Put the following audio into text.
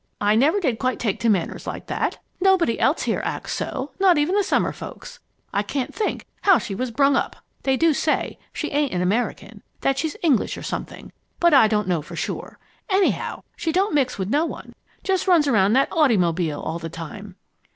I never did quite take to manners like that. Nobody else here acts so not even the summer folks. I can't think how she was brung up! They do say as she ain't an American, that she's English or something, but I don't know for sure. Anyhow, she don't mix with no one just runs around in that ottymobile all the time."